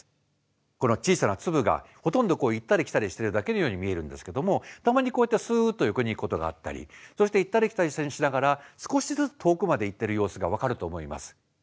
この小さな粒がほとんど行ったり来たりしてるだけのように見えるんですけどもたまにこうやってすっと横に行くことがあったりそして行ったり来たりしながら少しずつ遠くまで行ってる様子が分かると思います。